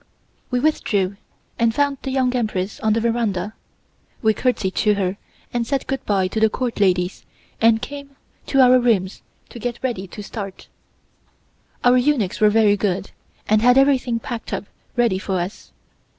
We withdrew, and found the Young Empress on the veranda. We courtesied to her, and said good bye to the Court ladies and came to our rooms to get ready to start. Our eunuchs were very good, and had everything packed up ready for us.